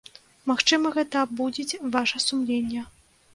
Магчыма, гэта абудзіць ваша сумленне.